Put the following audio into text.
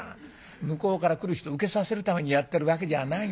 向こうから来る人うけさせるためにやってるわけじゃないの。